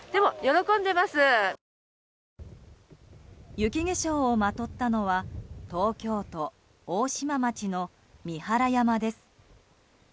雪化粧をまとったのは東京都大島町の三原山です。